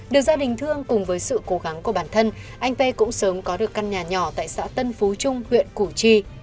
được gia đình thương cùng với sự cố gắng của bản thân anh p cũng sớm có được căn nhà nhỏ tại xã tân phú trung huyện củ chi